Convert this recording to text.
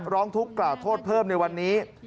ร้องทุกข์กล่าวโทษเพิ่มในวันนี้